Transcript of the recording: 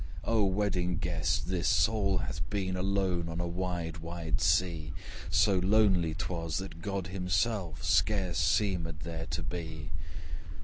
O Wedding Guest! this soul hath been Alone on a wide wide sea: So lonely 'twas, that God himself Scarce seemed there to be.